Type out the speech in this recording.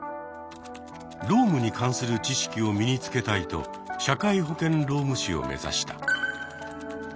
労務に関する知識を身に付けたいと社会保険労務士を目指した。